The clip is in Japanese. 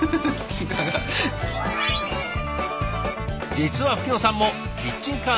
実は吹野さんもキッチンカーの常連。